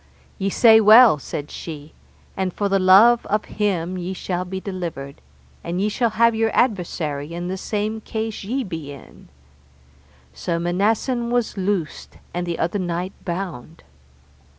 Ye say well, said she, and for the love of him ye shall be delivered, and ye shall have your adversary in the same case ye be in. So Manassen was loosed and the other knight bound.